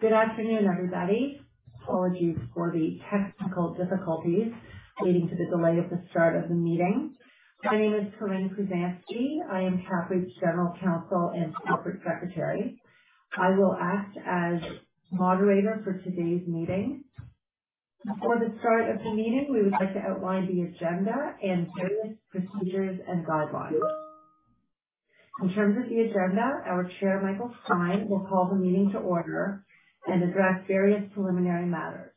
Good afternoon, everybody. Apologies for the technical difficulties leading to the delay of the start of the meeting. My name is Corinne Pruzanski. I am CAPREIT's General Counsel and Corporate Secretary. I will act as moderator for today's meeting. Before the start of the meeting, we would like to outline the agenda and various procedures and guidelines. In terms of the agenda, our Chair, Michael Stein, will call the meeting to order and address various preliminary matters.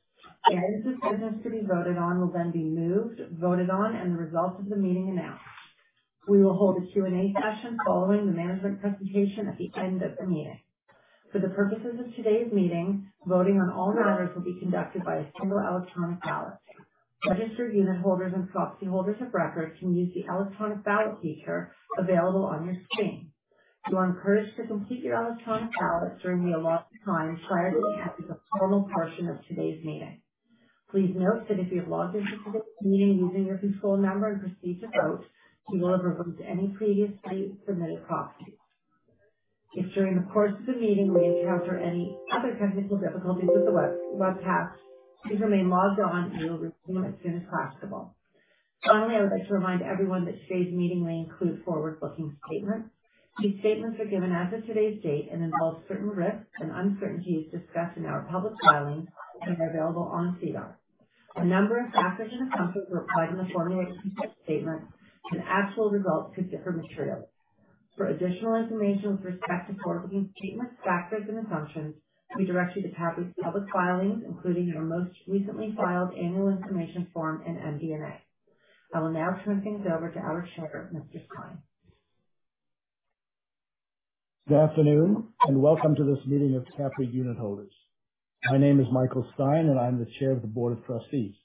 Items of business to be voted on will then be moved, voted on, and the results of the meeting announced. We will hold a Q&A session following the management presentation at the end of the meeting. For the purposes of today's meeting, voting on all matters will be conducted by a single electronic ballot. Registered unitholders and proxy holders of record can use the electronic ballot feature available on your screen. You are encouraged to complete your electronic ballot during the allotted time prior to the end of the formal portion of today's meeting. Please note that if you have logged into today's meeting using your control number and proceed to vote, you will have revoked any previously submitted proxy. If during the course of the meeting we encounter any other technical difficulties with the webcast, please remain logged on and we will resume as soon as possible. Finally, I would like to remind everyone that today's meeting may include forward-looking statements. These statements are given as of today's date and involve certain risks and uncertainties discussed in our public filings and are available on SEDAR. A number of factors and assumptions are applied in the forward-looking statements, and actual results could differ materially. For additional information with respect to forward-looking statements, factors, and assumptions, we direct you to CAPREIT's public filings, including our most recently filed annual information form and MD&A. I will now turn things over to our Chair, Mr. Stein. Good afternoon, and welcome to this meeting of CAPREIT unitholders. My name is Michael Stein, and I'm the Chair of the Board of Trustees.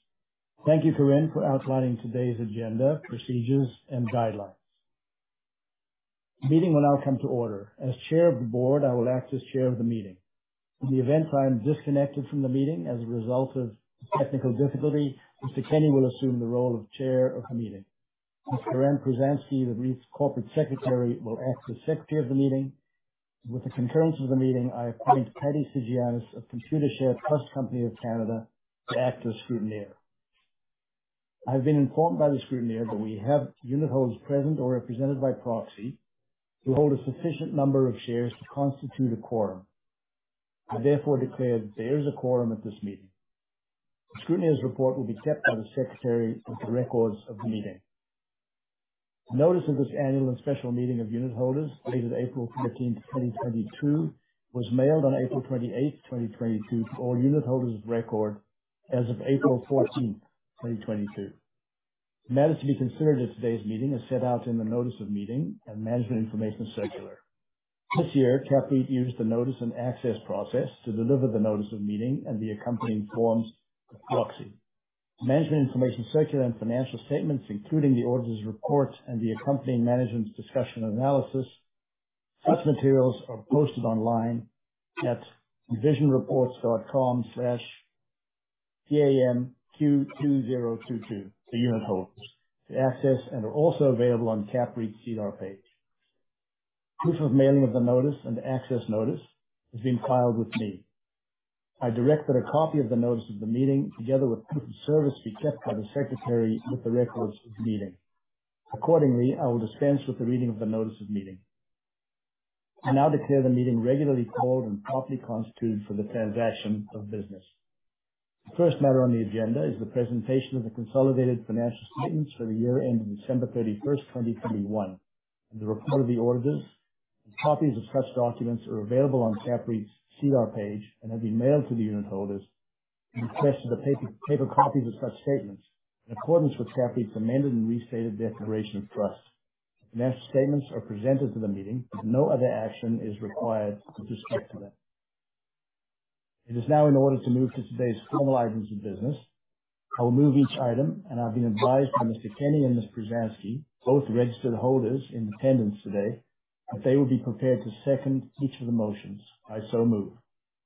Thank you, Corinne, for outlining today's agenda, procedures, and guidelines. The meeting will now come to order. As Chair of the Board, I will act as Chair of the meeting. In the event I am disconnected from the meeting as a result of technical difficulty, Mr. Kenney will assume the role of Chair of the meeting. Ms. Corinne Pruzanski, the REIT's corporate secretary, will act as secretary of the meeting. With the concurrence of the meeting, I appoint Patty Tsigiannis of Computershare Trust Company of Canada to act as scrutineer. I've been informed by the scrutineer that we have unitholders present or represented by proxy who hold a sufficient number of shares to constitute a quorum. I therefore declare there is a quorum at this meeting. The scrutineer's report will be kept by the secretary with the records of the meeting. Notice of this annual and special meeting of unitholders, dated April 13, 2022, was mailed on April 28, 2022, to all unitholders of record as of April 14, 2022. Matters to be considered at today's meeting as set out in the notice of meeting and management information circular. This year, CAPREIT used the notice and access process to deliver the notice of meeting and the accompanying forms of proxy, management information circular and financial statements, including the auditor's report and the accompanying management's discussion and analysis. Such materials are posted online at envisionreports.com/CAMQ2022 to unitholders to access, and are also available on CAPREIT's SEDAR page. Proof of mailing of the notice and access notice has been filed with me. I directed a copy of the notice of the meeting, together with proof of service, be kept by the secretary with the records of the meeting. Accordingly, I will dispense with the reading of the notice of meeting. I now declare the meeting regularly called and properly constituted for the transaction of business. The first matter on the agenda is the presentation of the consolidated financial statements for the year ending December 31, 2021, and the report of the auditors, and copies of such documents are available on CAPREIT's SEDAR page and have been mailed to the unitholders who requested the paper copies of such statements. In accordance with CAPREIT's amended and restated Declaration of Trust, financial statements are presented to the meeting. No other action is required with respect to them. It is now in order to move to today's formal items of business. I will move each item, and I've been advised by Mr. Kenny and Ms. Pruzanski, both registered holders in attendance today, that they will be prepared to second each of the motions. I so move.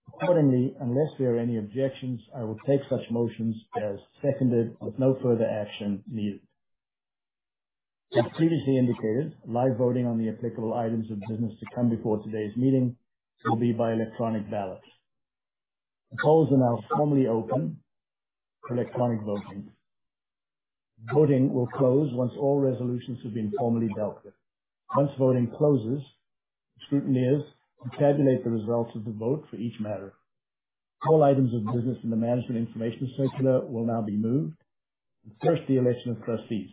Accordingly, unless there are any objections, I will take such motions as seconded with no further action needed. As previously indicated, live voting on the applicable items of business to come before today's meeting will be by electronic ballot. The polls are now formally open for electronic voting. Voting will close once all resolutions have been formally dealt with. Once voting closes, the scrutineers will tabulate the results of the vote for each matter. All items of business in the management information circular will now be moved. First, the election of trustees.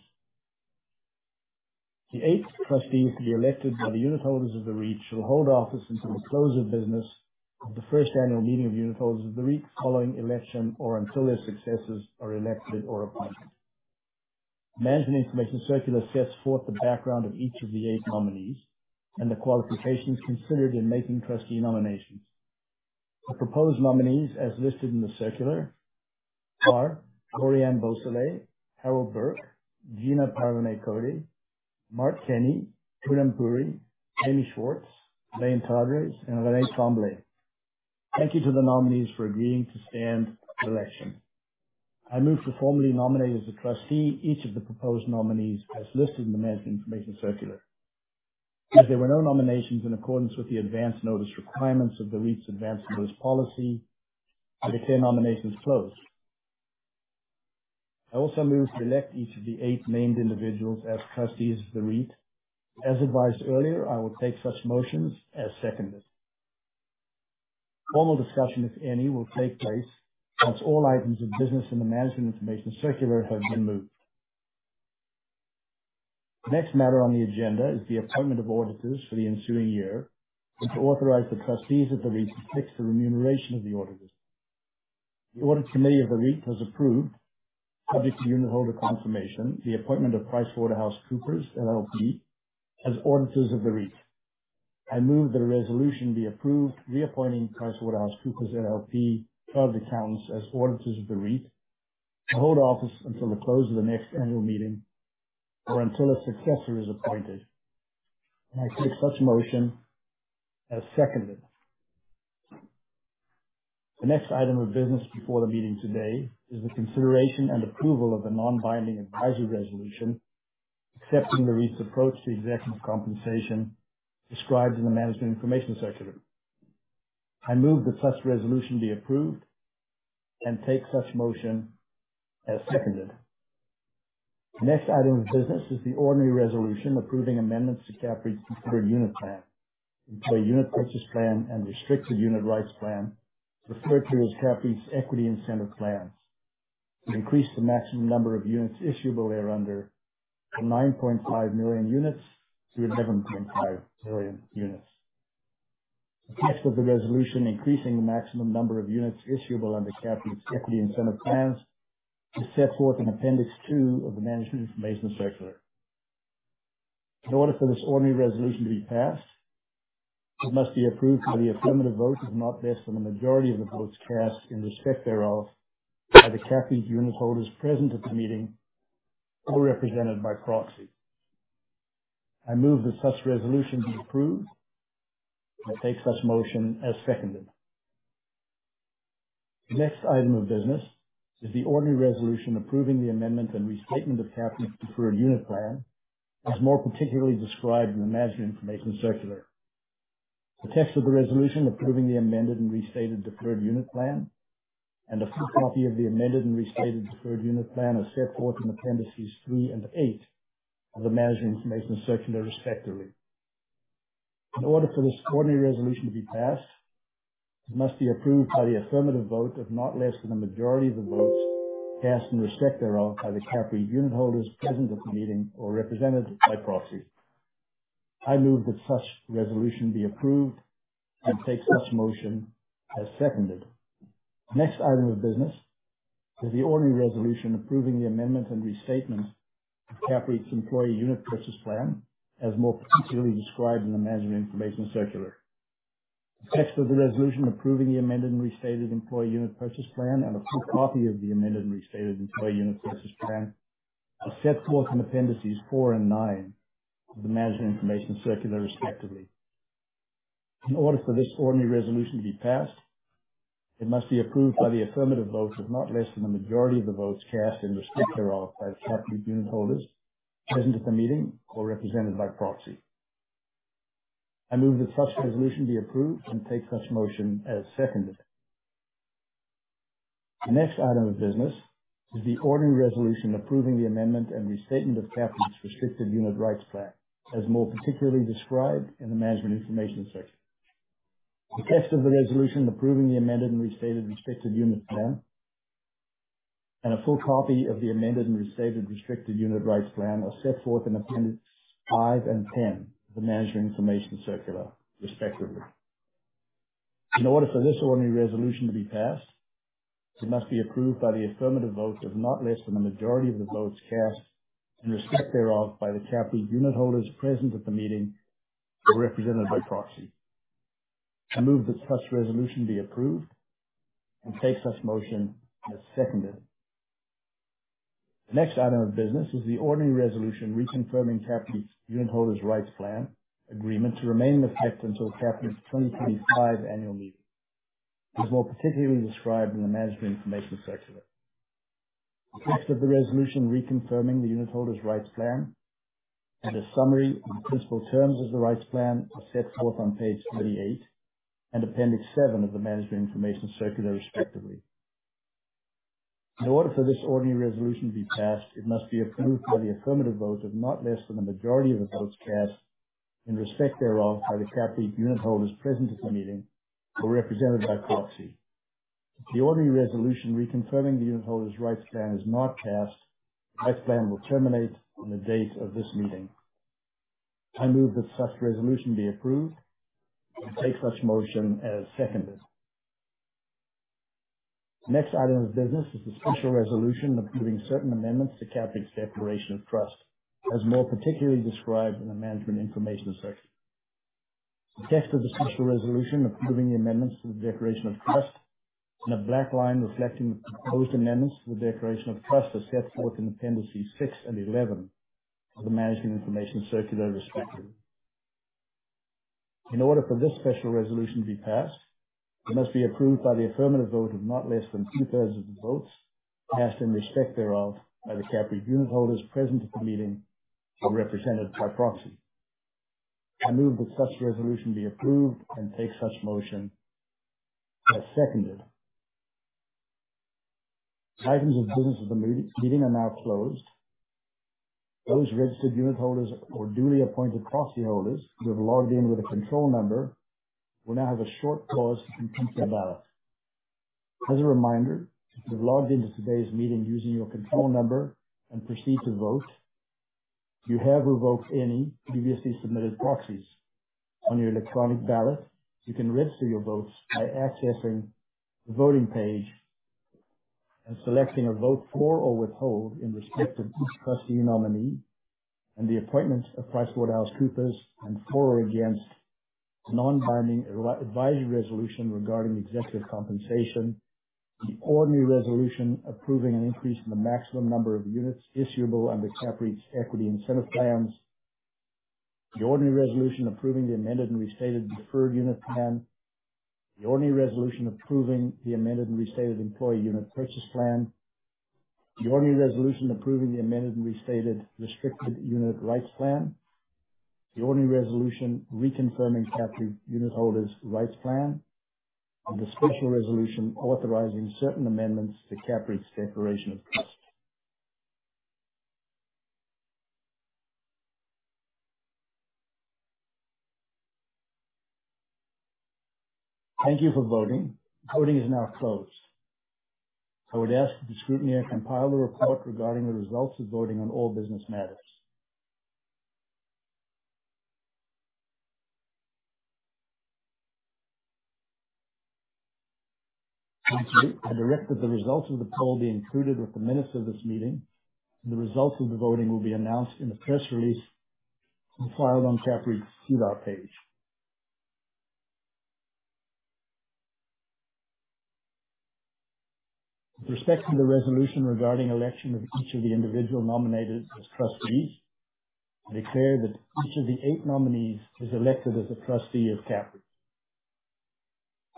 The eight trustees to be elected by the unitholders of the REIT shall hold office until the close of business of the first annual meeting of unitholders of the REIT following election or until their successors are elected or appointed. Management information circular sets forth the background of each of the eight nominees and the qualifications considered in making trustee nominations. The proposed nominees, as listed in the circular, are Lori-Ann Beausoleil, Harold Burke, Gina Parvaneh Cody, Mark Kenney, Poonam Puri, Jamie Schwartz, Elaine Todres, and René Tremblay. Thank you to the nominees for agreeing to stand for election. I move to formally nominate as a trustee each of the proposed nominees as listed in the management information circular. As there were no nominations in accordance with the advance notice requirements of the REIT's advance notice policy, I declare nominations closed. I also move to elect each of the 8 named individuals as trustees of the REIT. As advised earlier, I will take such motions as seconded. Formal discussion, if any, will take place once all items of business in the Management Information Circular have been moved. Next matter on the agenda is the appointment of auditors for the ensuing year and to authorize the trustees of the REIT to fix the remuneration of the auditors. The Audit Committee of the REIT has approved, subject to unitholder confirmation, the appointment of PricewaterhouseCoopers LLP as auditors of the REIT. I move that the resolution be approved, reappointing PricewaterhouseCoopers LLP as accountants, as auditors of the REIT to hold office until the close of the next annual meeting or until a successor is appointed. I take such motion as seconded. The next item of business before the meeting today is the consideration and approval of the non-binding advisory resolution accepting the REIT's approach to executive compensation described in the Management Information Circular. I move that such resolution be approved and take such motion as seconded. The next item of business is the ordinary resolution approving amendments to CAPREIT's Deferred Unit Plan, the Employee Unit Purchase Plan, and Restricted Unit Rights Plan referred to as CAPREIT's equity incentive plans, to increase the maximum number of units issuable thereunder from 9.5 million units to 11.5 million units. The text of the resolution increasing the maximum number of units issuable under CAPREIT's equity incentive plans is set forth in Appendix 2 of the Management Information Circular. In order for this ordinary resolution to be passed, it must be approved by the affirmative vote of not less than the majority of the votes cast in respect thereof by the CAPREIT unitholders present at the meeting or represented by proxy. I move that such resolution be approved, and I take such motion as seconded. The next item of business is the ordinary resolution approving the amendment and restatement of CAPREIT's Deferred Unit Plan, as more particularly described in the Management Information Circular. The text of the resolution approving the amended and restated Deferred Unit Plan and a full copy of the amended and restated Deferred Unit Plan are set forth in Appendices 3 and 8 of the Management Information Circular respectively. In order for this ordinary resolution to be passed, it must be approved by the affirmative vote of not less than the majority of the votes cast in respect thereof by the CAPREIT unitholders present at the meeting or represented by proxy. I move that such resolution be approved and take such motion as seconded. The next item of business is the ordinary resolution approving the amendment and restatement of CAPREIT's Employee Unit Purchase Plan, present at the meeting or represented by proxy. I move that such resolution be approved and take such motion as seconded. The next item of business is the ordinary resolution reconfirming CAPREIT's Unitholders' Rights Plan agreement to remain in effect until CAPREIT's 2025 annual meeting, as more particularly described in the Management Information Circular. The text of the resolution reconfirming the Unitholders' Rights Plan and a summary of the principal terms of the rights plan are set forth on page 28 and Appendix 7 of the Management Information Circular respectively. In order for this ordinary resolution to be passed, it must be approved by the affirmative vote of not less than the majority of the votes cast in respect thereof by the CAPREIT unitholders present at the meeting or represented by proxy. If the ordinary resolution reconfirming the unitholders' rights plan is not passed, the rights plan will terminate on the date of this meeting. I move that such resolution be approved and take such motion as seconded. The next item of business is the special resolution approving certain amendments to CAPREIT's Declaration of Trust, as more particularly described in the Management Information Circular. The text of the special resolution approving the amendments to the Declaration of Trust and a black line reflecting the proposed amendments to the Declaration of Trust are set forth in Appendices 6 and 11 of the Management Information Circular respectively. In order for this special resolution to be passed, it must be approved by the affirmative vote of not less than two-thirds of the votes cast in respect thereof by the CAPREIT unitholders present at the meeting or represented by proxy. I move that such resolution be approved and take such motion as seconded. Items of business of the meeting are now closed. Those registered unitholders or duly appointed proxyholders who have logged in with a control number will now have a short pause to complete the ballot. As a reminder, if you have logged into today's meeting using your control number and proceed to vote, you have revoked any previously submitted proxies on your electronic ballot. You can register your votes by accessing the voting page and selecting a vote for or withhold in respect to each trustee nominee and the appointment of PricewaterhouseCoopers and for or against non-binding advisory resolution regarding executive compensation, the ordinary resolution approving an increase in the maximum number of units issuable under CAPREIT's equity incentive plans, the ordinary resolution approving the amended and restated Deferred Unit Plan, the ordinary resolution approving the amended and restated Employee Unit Purchase Plan, the ordinary resolution approving the amended and restated Restricted Unit Rights Plan, the ordinary resolution reconfirming CAPREIT Unitholders' Rights Plan, and the special resolution authorizing certain amendments to CAPREIT's Declaration of Trust. Thank you for voting. Voting is now closed. I would ask the scrutineer compile the report regarding the results of voting on all business matters. Thank you. I direct that the results of the poll be included with the minutes of this meeting, and the results of the voting will be announced in the press release and filed on CAPREIT's SEDAR page. With respect to the resolution regarding election of each of the individual nominees as trustees, I declare that each of the eight nominees is elected as a trustee of CAPREIT.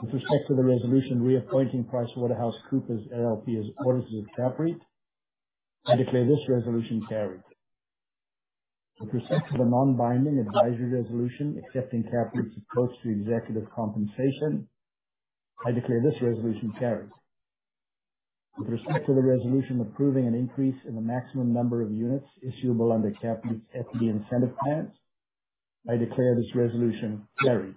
With respect to the resolution reappointing PricewaterhouseCoopers LLP as auditors of CAPREIT, I declare this resolution carried. With respect to the non-binding advisory resolution accepting CAPREIT's approach to executive compensation, I declare this resolution carried. With respect to the resolution approving an increase in the maximum number of units issuable under CAPREIT's equity incentive plans, I declare this resolution carried.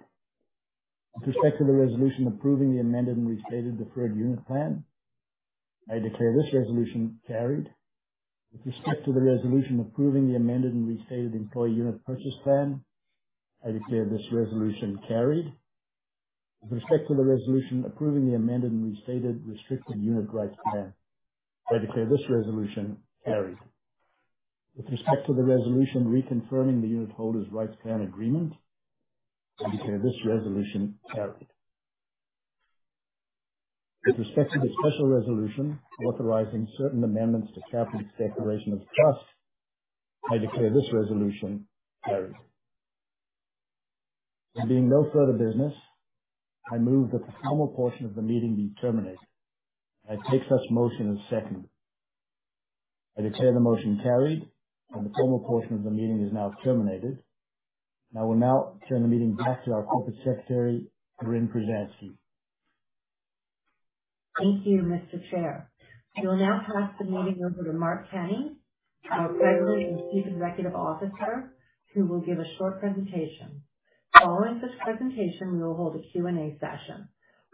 With respect to the resolution approving the Amended and Restated Deferred Unit Plan, I declare this resolution carried. With respect to the resolution approving the Amended and Restated Employee Unit Purchase Plan, I declare this resolution carried. With respect to the resolution approving the Amended and Restated Restricted Unit Rights Plan, I declare this resolution carried. With respect to the resolution reconfirming the Unitholders' Rights Plan agreement, I declare this resolution carried. With respect to the special resolution authorizing certain amendments to CAPREIT's Declaration of Trust, I declare this resolution carried. There being no further business, I move that the formal portion of the meeting be terminated. I take such motion as seconded. I declare the motion carried, and the formal portion of the meeting is now terminated. I will now turn the meeting back to our Corporate Secretary, Corinne Pruzanski. Thank you, Mr. Chair. We will now pass the meeting over to Mark Kenney, our President and Chief Executive Officer, who will give a short presentation. Following this presentation, we will hold a Q&A session.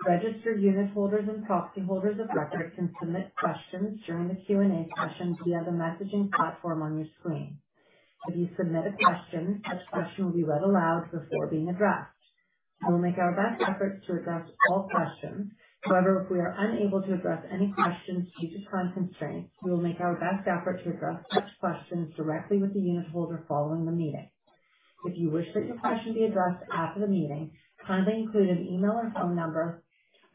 Registered unitholders and proxyholders of record can submit questions during the Q&A session via the messaging platform on your screen. If you submit a question, such a question will be read aloud before being addressed. We will make our best efforts to address all questions. However, if we are unable to address any questions due to time constraints, we will make our best effort to address such questions directly with the unitholder following the meeting. If you wish for your question to be addressed after the meeting, kindly include an email or phone number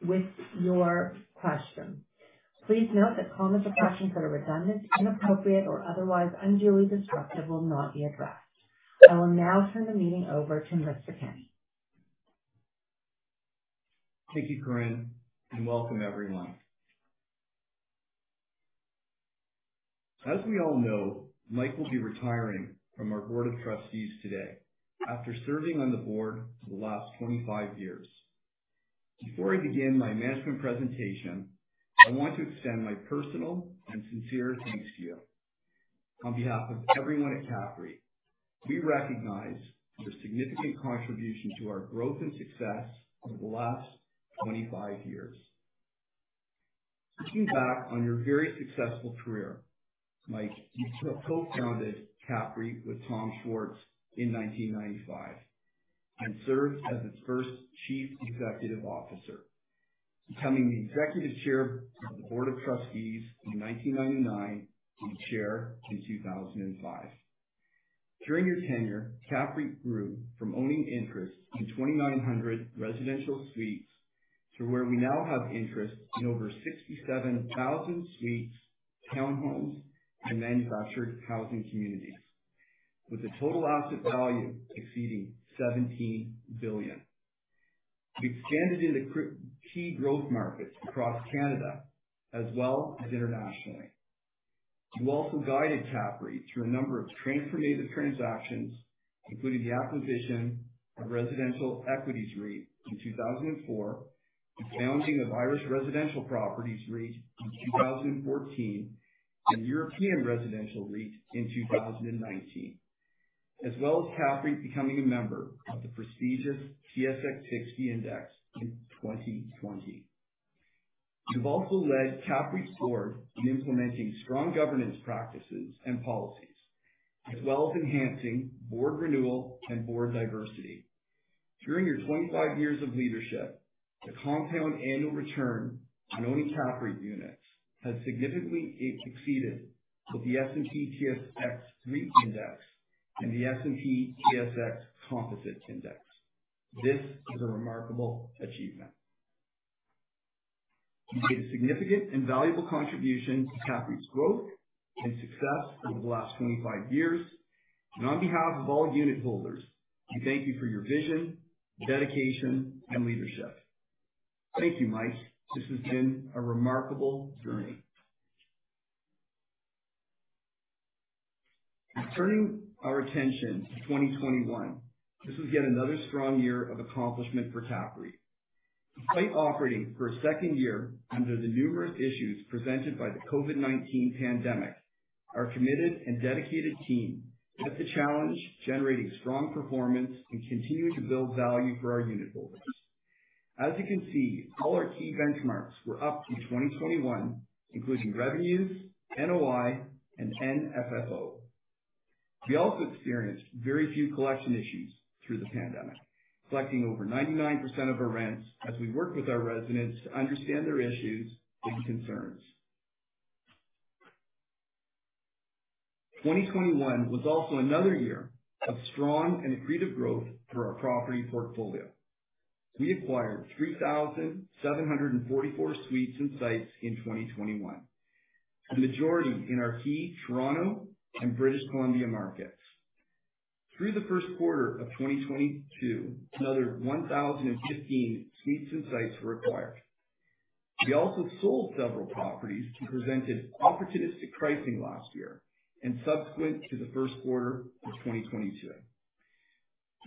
with your question. Please note that comments or questions that are redundant, inappropriate, or otherwise unduly disruptive will not be addressed. I will now turn the meeting over to Mr. Kenney. Thank you, Corinne, and welcome everyone. As we all know, Mike will be retiring from our board of trustees today after serving on the board for the last 25 years. Before I begin my management presentation, I want to extend my personal and sincere thanks to you. On behalf of everyone at CAPREIT, we recognize your significant contribution to our growth and success over the last 25 years. Looking back on your very successful career, Mike, you co-founded CAPREIT with Tom Schwartz in 1995 and served as its first chief executive officer, becoming the executive chair of the board of trustees in 1999 and chair in 2005. During your tenure, CAPREIT grew from owning interests in 2,900 residential suites to where we now have interests in over 67,000 suites, townhomes, and manufactured housing communities with a total asset value exceeding CAD 17 billion. We've expanded into key growth markets across Canada as well as internationally. You also guided CAPREIT through a number of transformative transactions, including the acquisition of Residential Equities REIT in 2004, the founding of Irish Residential Properties REIT in 2014 and European Residential REIT in 2019, as well as CAPREIT becoming a member of the prestigious S&P/TSX 60 Index in 2020. You've also led CAPREIT's board in implementing strong governance practices and policies, as well as enhancing board renewal and board diversity. During your 25 years of leadership, the compound annual return on owning CAPREIT units has significantly exceeded that of the S&P/TSX 60 Index and the S&P/TSX Composite Index. This is a remarkable achievement. You've made a significant and valuable contribution to CAPREIT's growth and success over the last 25 years. On behalf of all unit holders, we thank you for your vision, dedication, and leadership. Thank you, Mike. This has been a remarkable journey. Now, turning our attention to 2021. This was yet another strong year of accomplishment for CAPREIT. Despite operating for a second year under the numerous issues presented by the COVID-19 pandemic, our committed and dedicated team met the challenge, generating strong performance and continuing to build value for our unit holders. As you can see, all our key benchmarks were up in 2021, including revenues, NOI, and FFO. We also experienced very few collection issues through the pandemic, collecting over 99% of our rents as we worked with our residents to understand their issues and concerns. 2021 was also another year of strong and accretive growth for our property portfolio. We acquired 3,744 suites and sites in 2021, the majority in our key Toronto and British Columbia markets. Through the first quarter of 2022, another 1,015 suites and sites were acquired. We also sold several properties to capture opportunistic pricing last year and subsequent to the first quarter of 2022.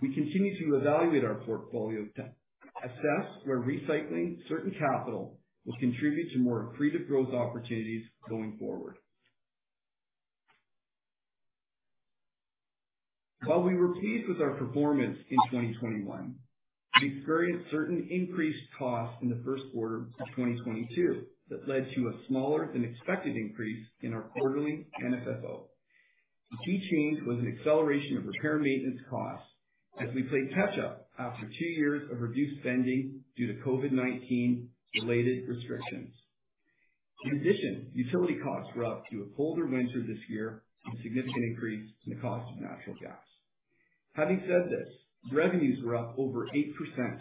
We continue to evaluate our portfolio to assess where recycling certain capital will contribute to more accretive growth opportunities going forward. While we were pleased with our performance in 2021, we experienced certain increased costs in the first quarter of 2022 that led to a smaller than expected increase in our quarterly FFO. The key change was an acceleration of repair and maintenance costs as we played catch up after two years of reduced spending due to COVID-19 related restrictions. In addition, utility costs were up due a colder winter this year and a significant increase in the cost of natural gas. Having said this, revenues were up over 8%,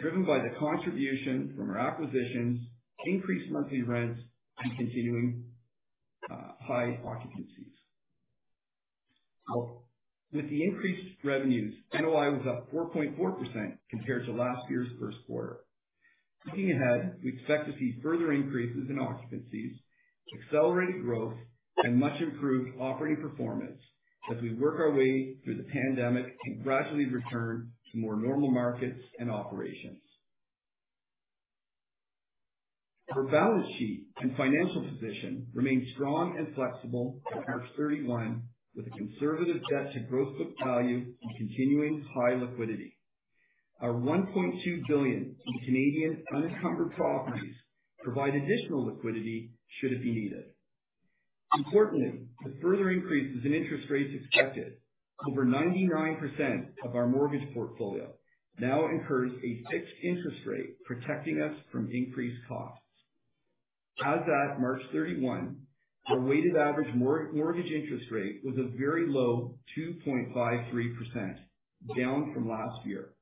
driven by the contribution from our acquisitions, increased monthly rents, and continuing high occupancies. Now, with the increased revenues, NOI was up 4.4% compared to last year's first quarter. Looking ahead, we expect to see further increases in occupancies, accelerated growth, and much improved operating performance as we work our way through the pandemic and gradually return to more normal markets and operations. Our balance sheet and financial position remain strong and flexible at March 31, with a conservative debt to gross book value and continuing high liquidity. Our 1.2 billion in Canadian unencumbered properties provide additional liquidity should it be needed. Importantly, with further increases in interest rates expected, over 99% of our mortgage portfolio now incurs a fixed interest rate, protecting us from increased costs. As at March 31, our weighted average mortgage interest rate was a very low 2.53%, down from last year.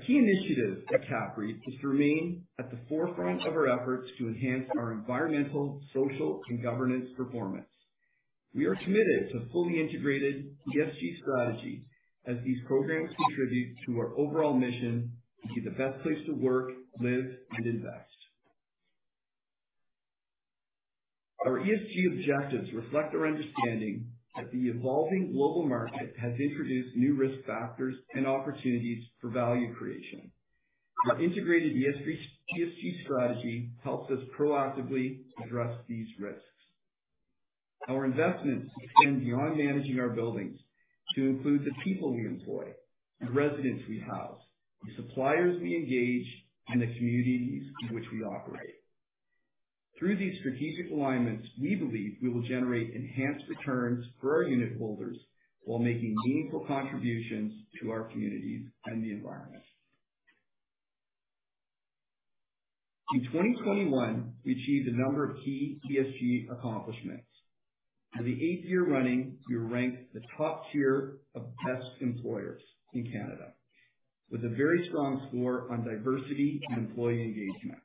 A key initiative at CAPREIT is to remain at the forefront of our efforts to enhance our environmental, social, and governance performance. We are committed to a fully integrated ESG strategy as these programs contribute to our overall mission to be the best place to work, live, and invest. Our ESG objectives reflect our understanding that the evolving global market has introduced new risk factors and opportunities for value creation. Our integrated ESG strategy helps us proactively address these risks. Our investments extend beyond managing our buildings to include the people we employ, the residents we house, the suppliers we engage, and the communities in which we operate. Through these strategic alignments, we believe we will generate enhanced returns for our unitholders while making meaningful contributions to our communities and the environment. In 2021, we achieved a number of key ESG accomplishments. For the eighth year running, we were ranked the top tier of best employers in Canada with a very strong score on diversity and employee engagement.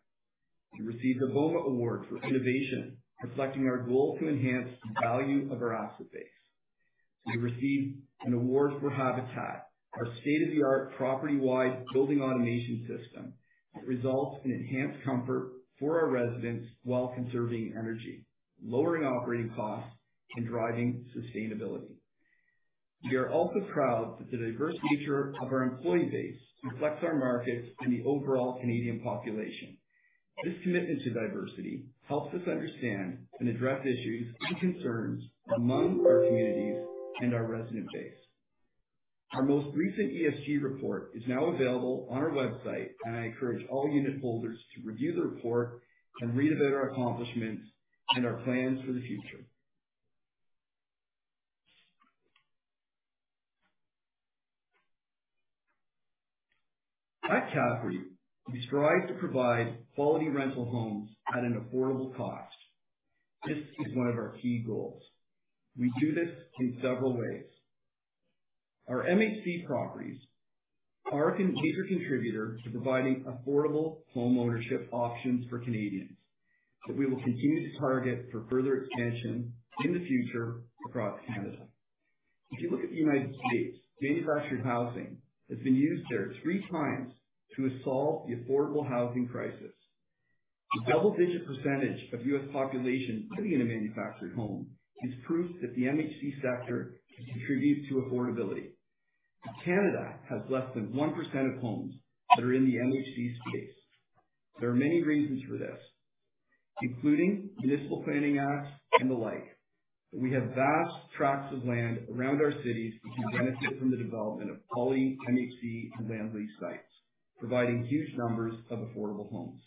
We received the BOMA Award for innovation, reflecting our goal to enhance the value of our asset base. We received an award for Habitat, our state-of-the-art property-wide building automation system that results in enhanced comfort for our residents while conserving energy, lowering operating costs, and driving sustainability. We are also proud that the diverse nature of our employee base reflects our markets and the overall Canadian population. This commitment to diversity helps us understand and address issues and concerns among our communities and our resident base. Our most recent ESG report is now available on our website, and I encourage all unitholders to review the report and read about our accomplishments and our plans for the future. At CAPREIT, we strive to provide quality rental homes at an affordable cost. This is one of our key goals. We do this in several ways. Our MHC properties are a major contributor to providing affordable homeownership options for Canadians that we will continue to target for further expansion in the future across Canada. If you look at the United States, manufactured housing has been used there three times to solve the affordable housing crisis. A double-digit percentage of U.S. population living in a manufactured home is proof that the MHC sector can contribute to affordability. Canada has less than 1% of homes that are in the MHC space. There are many reasons for this, including municipal planning acts and the like. We have vast tracts of land around our cities that can benefit from the development of Poly MHC and land lease sites, providing huge numbers of affordable homes.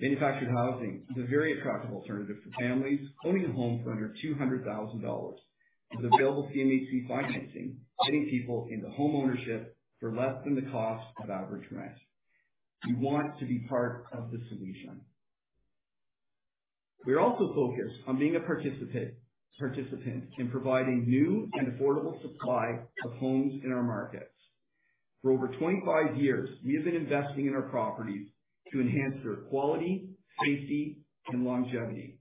Manufactured housing is a very attractive alternative for families owning a home for under $200,000 with available CMHC financing, getting people into homeownership for less than the cost of average rent. We want to be part of the solution. We are also focused on being a participant in providing new and affordable supply of homes in our markets. For over 25 years, we have been investing in our properties to enhance their quality, safety, and longevity,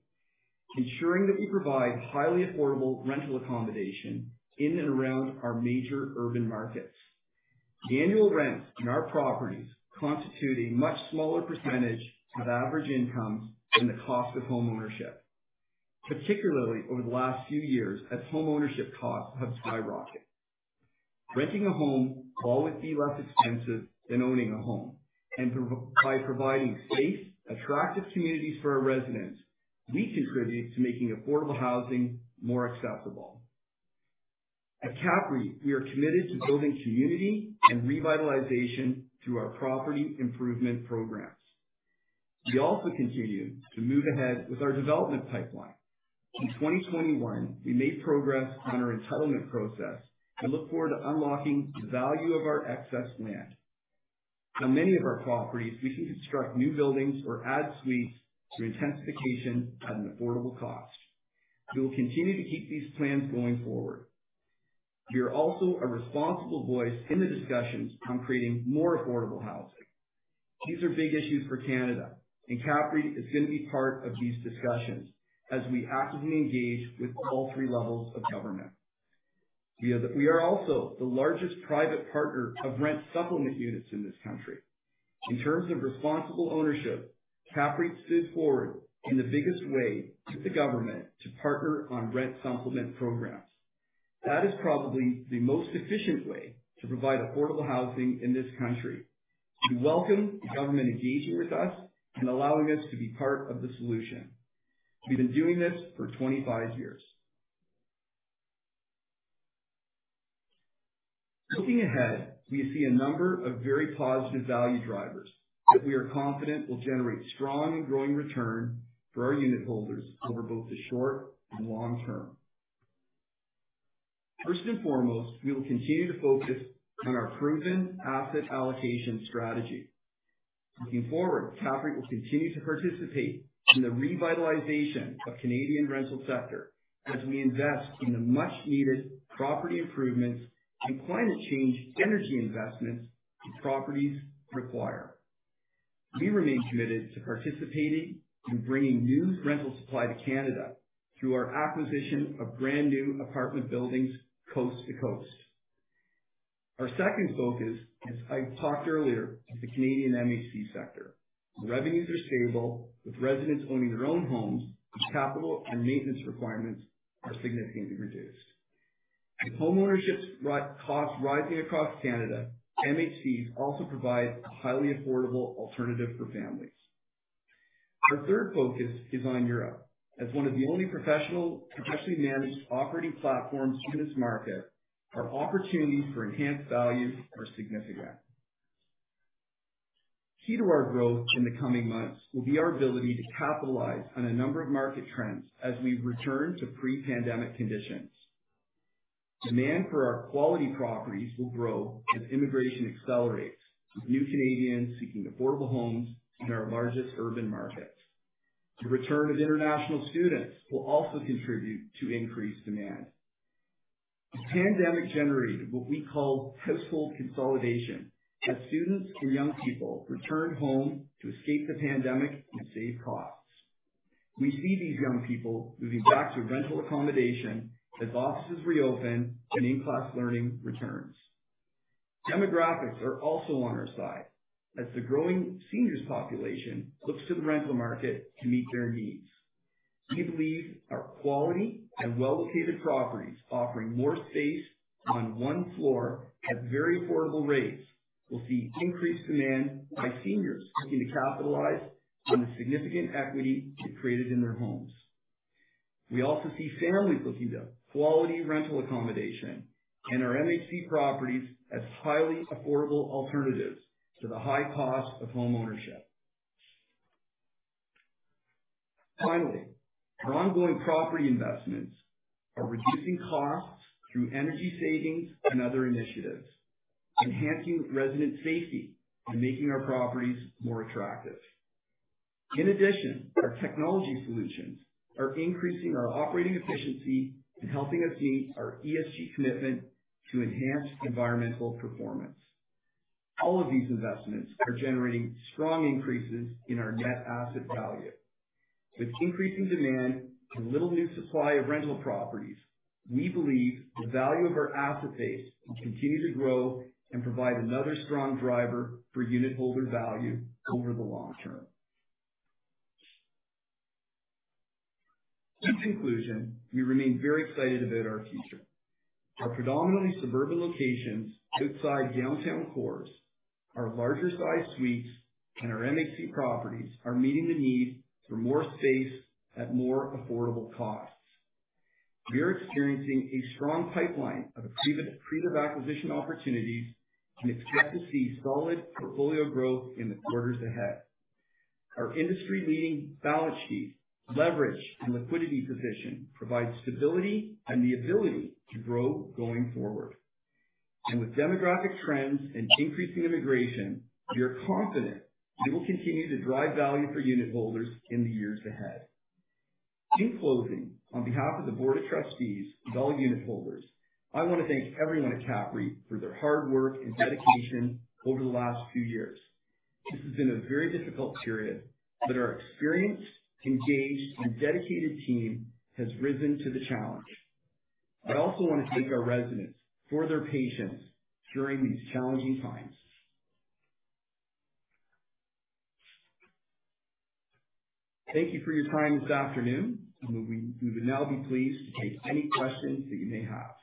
ensuring that we provide highly affordable rental accommodation in and around our major urban markets. The annual rents in our properties constitute a much smaller percentage of average incomes than the cost of homeownership, particularly over the last few years as homeownership costs have skyrocketed. Renting a home will always be less expensive than owning a home. Providing safe, attractive communities for our residents, we contribute to making affordable housing more accessible. At CAPREIT, we are committed to building community and revitalization through our property improvement programs. We also continue to move ahead with our development pipeline. In 2021, we made progress on our entitlement process and look forward to unlocking the value of our excess land. On many of our properties, we can construct new buildings or add suites through intensification at an affordable cost. We will continue to keep these plans going forward. We are also a responsible voice in the discussions on creating more affordable housing. These are big issues for Canada, and CAPREIT is going to be part of these discussions as we actively engage with all three levels of government. We are also the largest private partner of rent supplement units in this country. In terms of responsible ownership, CAPREIT stood forward in the biggest way to the government to partner on rent supplement programs. That is probably the most efficient way to provide affordable housing in this country. We welcome the government engaging with us and allowing us to be part of the solution. We've been doing this for 25 years. Looking ahead, we see a number of very positive value drivers that we are confident will generate strong and growing return for our unitholders over both the short and long term. First and foremost, we will continue to focus on our proven asset allocation strategy. Looking forward, CAPREIT will continue to participate in the revitalization of Canadian rental sector as we invest in the much needed property improvements and climate change energy investments these properties require. We remain committed to participating in bringing new rental supply to Canada through our acquisition of brand new apartment buildings coast to coast. Our second focus, as I talked earlier, is the Canadian MHC sector. The revenues are sustainable with residents owning their own homes, and capital and maintenance requirements are significantly reduced. With homeownership costs rising across Canada, MHCs also provide a highly affordable alternative for families. Our third focus is on Europe. As one of the only professional, professionally managed operating platforms in this market, our opportunities for enhanced value are significant. Key to our growth in the coming months will be our ability to capitalize on a number of market trends as we return to pre-pandemic conditions. Demand for our quality properties will grow as immigration accelerates with new Canadians seeking affordable homes in our largest urban markets. The return of international students will also contribute to increased demand. The pandemic generated what we call household consolidation as students or young people returned home to escape the pandemic and save costs. We see these young people moving back to rental accommodation as offices reopen and in-class learning returns. Demographics are also on our side as the growing seniors population looks to the rental market to meet their needs. We believe our quality and well-located properties offering more space on one floor at very affordable rates will see increased demand by seniors looking to capitalize on the significant equity they've created in their homes. We also see families looking to quality rental accommodation and our MHC properties as highly affordable alternatives to the high cost of homeownership. Finally, our ongoing property investments are reducing costs through energy savings and other initiatives, enhancing resident safety, and making our properties more attractive. In addition, our technology solutions are increasing our operating efficiency and helping us meet our ESG commitment to enhanced environmental performance. All of these investments are generating strong increases in our Net Asset Value. With increasing demand and little new supply of rental properties, we believe the value of our asset base will continue to grow and provide another strong driver for unitholder value over the long term. In conclusion, we remain very excited about our future. Our predominantly suburban locations outside downtown cores, our larger size suites, and our MHC properties are meeting the need for more space at more affordable costs. We are experiencing a strong pipeline of accretive acquisition opportunities and expect to see solid portfolio growth in the quarters ahead. Our industry-leading balance sheet, leverage, and liquidity position provides stability and the ability to grow going forward. With demographic trends and increasing immigration, we are confident we will continue to drive value for unitholders in the years ahead. In closing, on behalf of the board of trustees and all unitholders, I wanna thank everyone at CAPREIT for their hard work and dedication over the last few years. This has been a very difficult period, but our experienced, engaged, and dedicated team has risen to the challenge. I also wanna thank our residents for their patience during these challenging times. Thank you for your time this afternoon, and we would now be pleased to take any questions that you may have.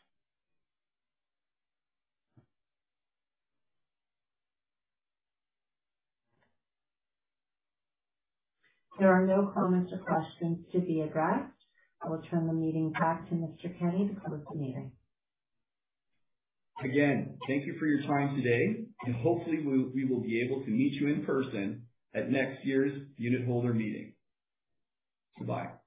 There are no comments or questions to be addressed. I will turn the meeting back to Mr. Kenney to close the meeting. Again, thank you for your time today, and hopefully we will be able to meet you in person at next year's unitholder meeting. Goodbye.